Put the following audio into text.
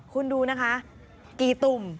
คุณดูนะคะกี่ตุ่ม